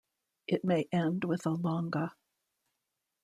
It may end with a "longa".